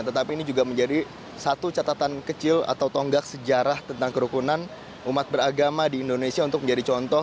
tetapi ini juga menjadi satu catatan kecil atau tonggak sejarah tentang kerukunan umat beragama di indonesia untuk menjadi contoh